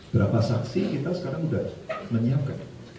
berapa saksi kita sekarang sudah menyiapkan